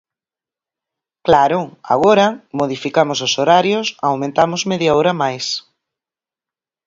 Claro, agora, modificamos os horarios, aumentamos media hora máis.